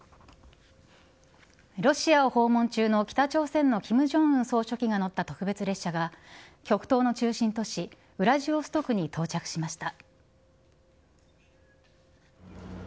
ロシアを訪問中の北朝鮮の金正恩総書記が乗った特別列車が極東の中心都市ウラジオストクに到着しました。